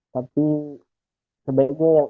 tapi sebaiknya yang